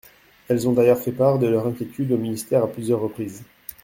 Elles ont d’ailleurs fait part de leurs inquiétudes au ministère à plusieurs reprises.